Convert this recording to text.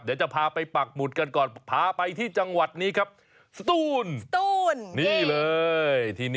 แป้งสีเขียวนวลถูกรอดลงบนกระทะให้เป็นเส้นซ้อนกัน